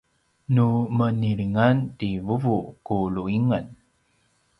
nu menilingan ti vuvu ku lu’ingen